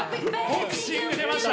ボクシング出ました！